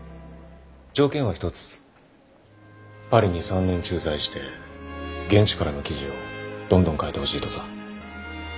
条件は一つパリに３年駐在して現地からの記事をどんどん書いてほしいとさ。